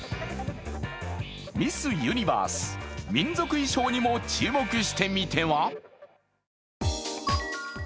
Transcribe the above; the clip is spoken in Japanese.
ミス・ユニバース、民族衣装にも注目してみては？